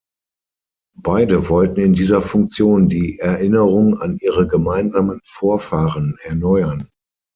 Beide wollten in dieser Funktion die Erinnerung an ihre gemeinsamen Vorfahren erneuern.